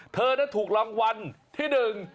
เธอถูกรังวัลที่๑